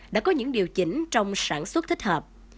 đã có những điều chỉnh trong sản xuất thích hợp